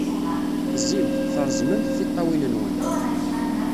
Zzimt, treẓmemt tiṭṭawin-nwent.